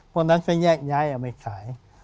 พวกนั้นก็แยกย้ายเอาไปขาย